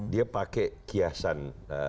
dia pakai kiasan